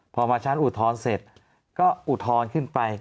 พอมาชั้นอุทธรณ์เสร็จก็อุทธรณ์ขึ้นไป